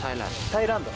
タイランド。